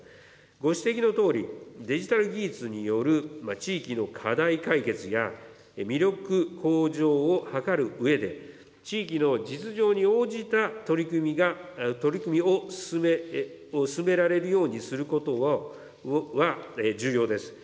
ご指摘のとおり、デジタル技術による地域の課題解決や、魅力向上を図るうえで、地域の実情に応じた取り組みを進められるようにすることは、重要です。